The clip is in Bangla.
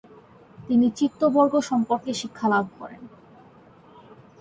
তিনি চিত্তবর্গ সম্বন্ধে শিক্ষালাভ করেন।